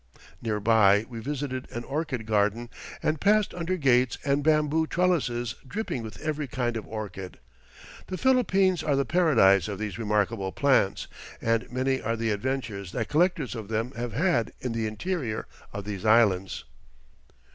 Near by, we visited an orchid garden, and passed under gates and bamboo trellises dripping with every kind of orchid. The Philippines are the paradise of these remarkable plants, and many are the adventures that collectors of them have had in the interior of these Islands.